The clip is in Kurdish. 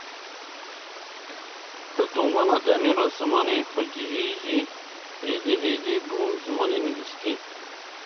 Di domana demê re zimanên xwecihî jî hêdî hêdî bûn zimanên nivîskî.